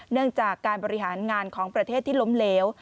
เนื่องจากการบริหารงานของประเทศที่ล้มเหลว